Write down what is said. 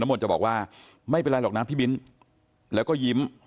มนต์จะบอกว่าไม่เป็นไรหรอกนะพี่บินแล้วก็ยิ้ม